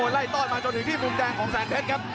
ไล่ต้อนมาจนถึงที่มุมแดงของแสนเพชรครับ